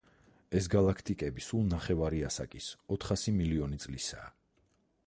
ეს გალაქტიკები სულ ნახევარი ასაკის, ოთხასი მილიონი წლისაა.